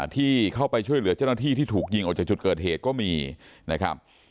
ที่เข้าไปช่วยเหลือเจ้าหน้าที่ที่ถูกยิงออกจากจุดเกิดเหตุก็มีนะครับ